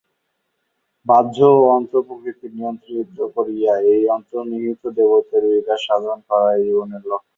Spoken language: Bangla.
বাহ্য ও অন্তঃ-প্রকৃতি নিয়ন্ত্রিত করিয়া এই অন্তর্নিহিত দেবত্বের বিকাশ সাধন করাই জীবনের লক্ষ্য।